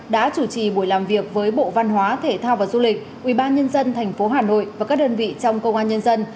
đã chủ trì buổi làm việc với bộ văn hóa thể thao và du lịch ubnd tp hà nội và các đơn vị trong công an nhân dân